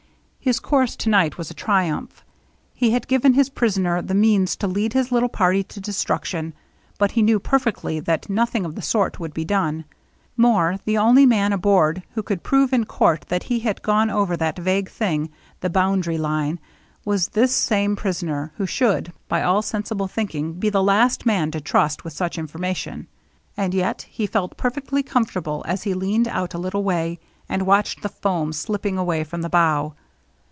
His course to night was a triumph. He had given his pris oner the means to lead his little party to destruction, but he knew perfectly that nothing of the sort would be done. More, the only man aboard who could prove in court that he had gone over that vague thing, the boundary line, was this same prisoner, who should, by all sensible thinking, be the last man to trust with such information ; and yet he felt perfectly comfortable as he leaned out a little way and watched the foam slipping away from the bow.